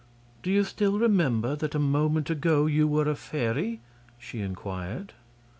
"Do you still remember that a moment ago you were a fairy?" she inquired.